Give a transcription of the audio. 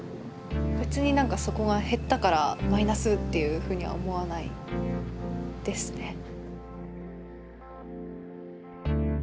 別になんかそこが減ったからマイナスっていうふうには思わないですね。